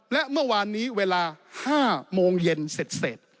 และเมื่อวานนี้เวลา๕โมงเย็นเสร็จ